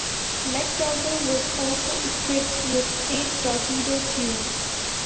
"McDougal" was also equipped with eight torpedo tubes.